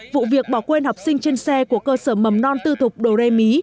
vụ việc bỏ quên học sinh trên xe của cơ sở mầm non tư thục đồ rê mí